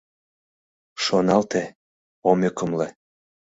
— Шоналте, ом ӧкымлӧ.